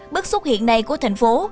bức xúc hiện nay của thành phố